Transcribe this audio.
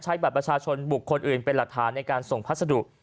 บัตรประชาชนบุคคลอื่นเป็นหลักฐานในการส่งพัสดุ